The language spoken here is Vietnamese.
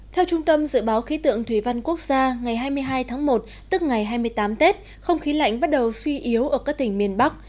theo trung tâm dự báo khí tượng thủy văn quốc gia ngày hai mươi hai tháng một tức ngày hai mươi tám tết không khí lạnh bắt đầu suy yếu ở các tỉnh miền bắc